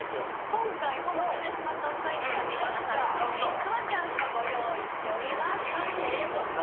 今回も負けてしまったお２人のために浅草グルメ、ちゃんとご意外にええもんな。